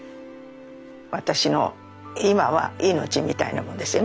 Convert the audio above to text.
私の今は命みたいなもんですよね。